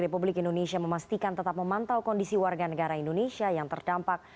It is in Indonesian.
republik indonesia memastikan tetap memantau kondisi warga negara indonesia yang terdampak